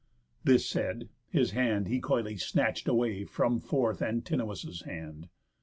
This said, his hand he coyly snatch'd away From forth Antinous' hand.